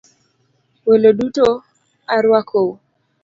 Welo duto aruakou.